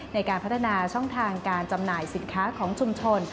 ในการพัฒนาช่องทางการจำหน่ายสินค้าของชุมชน